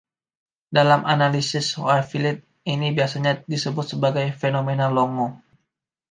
Dalam analisis wavelet, ini biasanya disebut sebagai fenomena Longo.